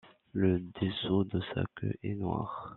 Le dessous de sa queue est noir.